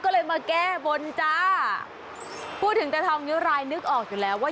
ก็เลยมาแก้บนจ้าพูดถึงตาทองนิ้วรายนึกออกอยู่แล้วว่า